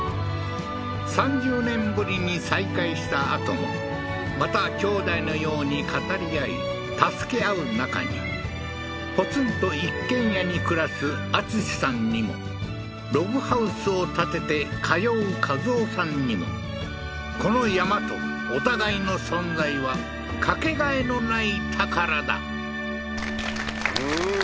３０年ぶりに再会したあともまた兄弟のように語り合い助け合う仲にポツンと一軒家に暮らす敦さんにもログハウスを建てて通う一夫さんにもこの山とお互いの存在はかけがえのない宝だうん！